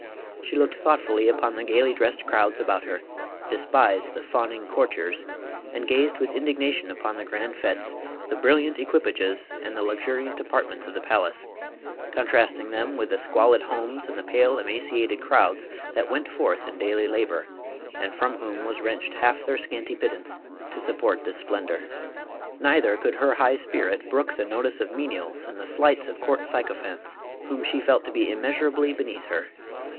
She looked thoughtfully upon the gaily dressed crowds about her, despised the fawning cour tiers, and gazed with indignation upon the grand fetes, the brilliant equipages and the luxuriant apartments of thq palace, contrasting, them with the squalid homes and the pale emaciated crowds. that went forth in daily labor, and from whom was wrenched half their scanty pittance to support this splendor. Neither could her high spirit brook the notice of menials and the slights of court sycophants, whom she felt to be immeasurably beneath her.